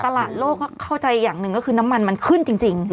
ตลาดโลกก็เข้าใจอย่างหนึ่งก็คือน้ำมันมันขึ้นจริง